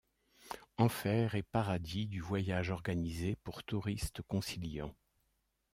Enfer et paradis du voyage organisé pour touristes conciliants.